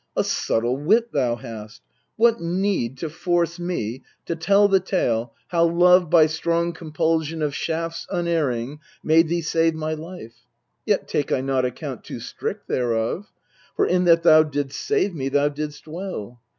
A subtle wit thou hast what need to force me To tell the tale how Love, by strong compulsion Of shafts unerring, made thee save my life ? Yet take I not account too strict thereof ; For, in that thou didst save me, thou didst well.